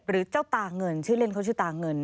เจ้าตาเงินชื่อเล่นเขาชื่อตาเงิน